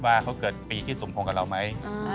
ว่าเขาเกิดปีที่สมพงษ์กับเราไหม